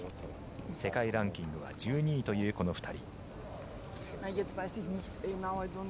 世界ランキングは１２位というこの２人。